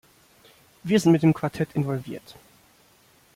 Wir sind mit dem Quartett involviert.